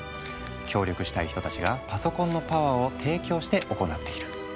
協力したい人たちがパソコンのパワーを提供して行っている。